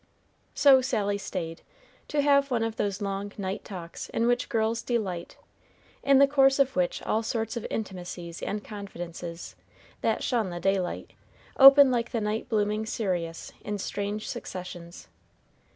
So Sally stayed to have one of those long night talks in which girls delight, in the course of which all sorts of intimacies and confidences, that shun the daylight, open like the night blooming cereus in strange successions.